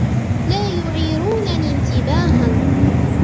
لا يعيرونني انتباهًا.